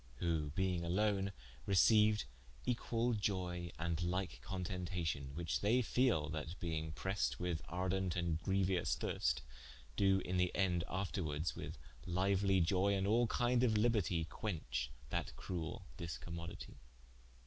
Who being alone receiued equal ioye, and like contentation, which they fele that being pressed with ardent and greuous thirste, doe in the ende afterwardes with liuely ioye, and all kinde of libertie, quenche that cruell discommoditie.